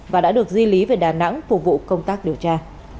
và đã được di lý về đà nẵng phục vụ công tác điều tra